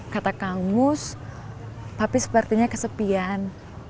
kata kang mus tapi sepertinya kesepian